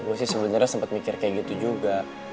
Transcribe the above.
gue sih sebelum nyara sempet mikir kayak gitu juga